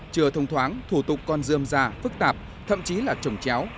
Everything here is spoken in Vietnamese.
trừa thông thoáng thủ tục con dươm già phức tạp thậm chí là trồng chéo